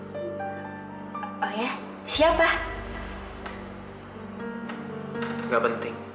siapa sih pacar kamu